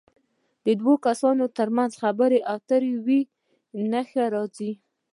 د دوو کسو تر منځ خبرې اترې وي نښه راځي.